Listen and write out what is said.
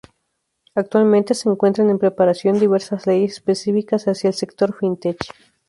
Actualmente se encuentran en preparación diversas leyes específicas hacia el sector Fintech.